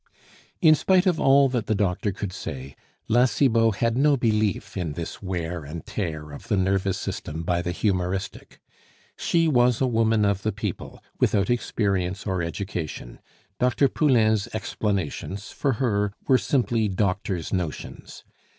In spite of all that the doctor could say, La Cibot had no belief in this wear and tear of the nervous system by the humoristic. She was a woman of the people, without experience or education; Dr. Poulain's explanations for her were simply "doctor's notions."